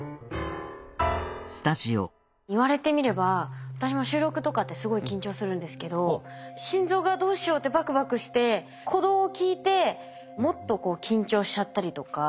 言われてみれば私も収録とかってすごい緊張するんですけど心臓がどうしようってバクバクして鼓動を聞いてもっと緊張しちゃったりとか。